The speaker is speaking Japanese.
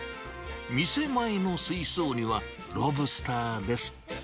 店前の水槽には、ロブスターです。